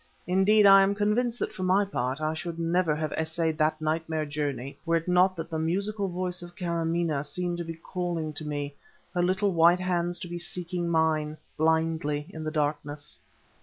Indeed, I am convinced that for my part I should never have essayed that nightmare journey were it not that the musical voice of Kâramaneh seemed to be calling to me, her little white hands to be seeking mine, blindly, in the darkness.